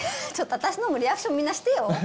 ちょっと私のもリアクションみんなしてよ。